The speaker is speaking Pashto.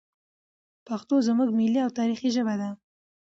پښتو زموږ ملي او تاریخي ژبه ده.